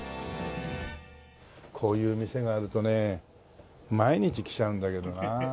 こういう店があるとね毎日来ちゃうんだけどな。